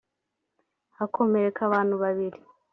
hakomereka abantu babiri